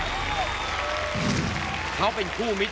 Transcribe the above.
ดวงคู่ที่เหมาะสมกับเขามากที่สุด